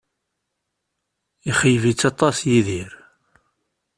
Ixeyyeb-itt aṭas Yidir